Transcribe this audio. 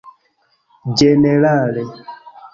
ĝenerale